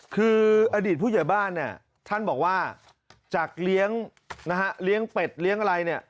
คืออดีตผู้เกี่ยวบ้านท่านบอกว่าจากเลี้ยงเป็ดเลี้ยงอะไร